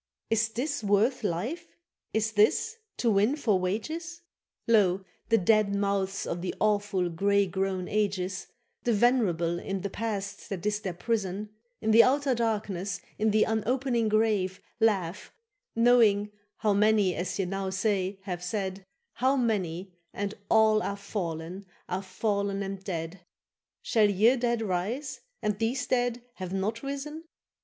—Is this worth life, is this, to win for wages? Lo, the dead mouths of the awful grey grown ages, The venerable, in the past that is their prison, In the outer darkness, in the unopening grave, Laugh, knowing how many as ye now say have said, How many, and all are fallen, are fallen and dead: Shall ye dead rise, and these dead have not risen?